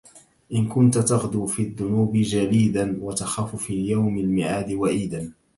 إن كنت تغدو في الذنـوب جليـدا... وتخاف في يوم المعاد وعيـدا